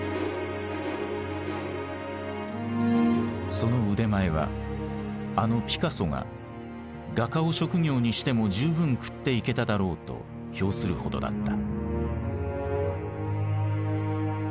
その腕前はあのピカソが「画家を職業にしても十分食っていけただろう」と評するほどだった。